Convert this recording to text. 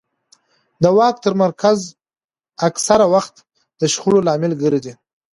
د واک تمرکز اکثره وخت د شخړو لامل ګرځي